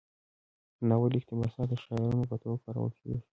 د ناول اقتباسات د شعارونو په توګه کارول کیږي.